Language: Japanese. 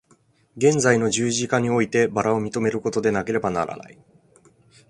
現在の十字架において薔薇を認めることでなければならない。